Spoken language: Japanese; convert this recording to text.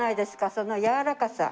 そのやわらかさ。